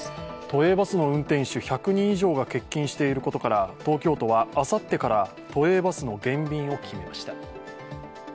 都営バスの運転手１００人以上が欠勤していることから東京都はあさってから都営バスの減便を決めました。